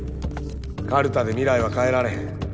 カルタで未来は変えられへん。